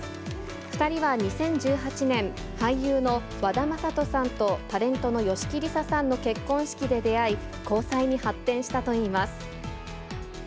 ２人は２０１８年、俳優の和田正人さんと、タレントの吉木りささんの結婚式で出会い、交際に発展したといいます。